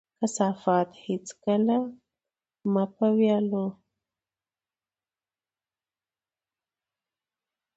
کثافات هيڅکله مه په ويالو،